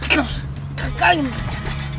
terus gagalin rencananya